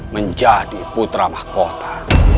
menjadi putra mahkota